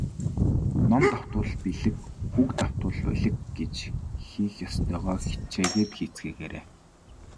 Ном давтвал билиг, үг давтвал улиг гэж хийх ёстойгоо хичээгээд хийцгээгээрэй.